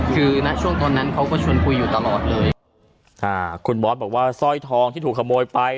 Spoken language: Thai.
คือณช่วงตอนนั้นเขาก็ชวนคุยอยู่ตลอดเลยอ่าคุณบอสบอกว่าสร้อยทองที่ถูกขโมยไป